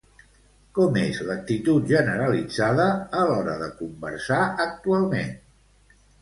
Com és l'actitud generalitzada a l'hora de conversar actualment?